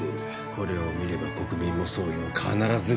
これを見れば国民も総理も必ず動く。